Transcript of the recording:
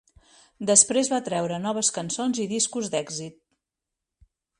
Després va treure noves cançons i discos d'èxit.